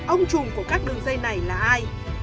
ông trùm của các đường dây này là ai